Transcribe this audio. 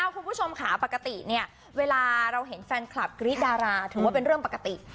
คุณผู้ชมค่ะปกติเนี่ยเวลาเราเห็นแฟนคลับกรี๊ดดาราถือว่าเป็นเรื่องปกติ